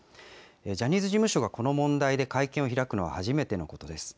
ジャニーズ事務所がこの問題で会見を開くのは初めてのことです。